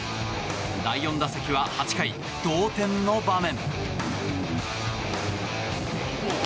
第４打席は８回、同点の場面。